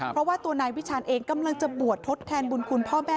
เพราะว่าตัวนายวิชาณเองกำลังจะบวชทดแทนบุญคุณพ่อแม่